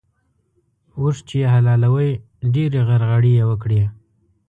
اوښ چې يې حلالوی؛ ډېرې غرغړې يې وکړې.